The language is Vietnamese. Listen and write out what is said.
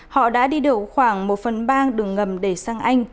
họ đã đi đầu khoảng một phần bang đường ngầm để sang anh